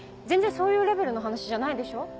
全然そういうレベルの話じゃないでしょ？